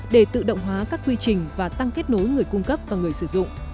để tự động hóa các quy trình và tăng kết nối người cung cấp và người sử dụng